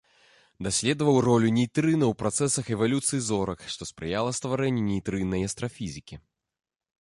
Даследаваў ролю нейтрына ў працэсах эвалюцыі зорак, што спрыяла стварэнню нейтрыннай астрафізікі.